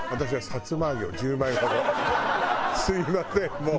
すみませんもう。